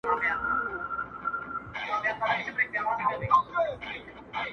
مینې ته حمزه چې فکر وکړ ما